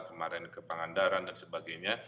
kemarin ke pangandaran dan sebagainya